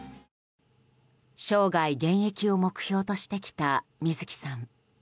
生涯現役を目標としてきた水木さん。